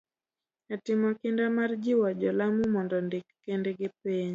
E timo kinda mar jiwo jo Lamu mondo ondik kendgi piny,